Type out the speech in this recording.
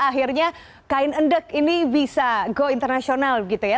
akhirnya kain endek ini bisa go internasional gitu ya